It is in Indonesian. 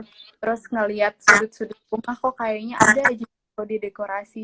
terus ngeliat sudut sudut rumah kok kayaknya ada aja yang di dekorasi